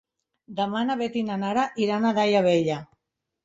Demà na Beth i na Nara iran a Daia Vella.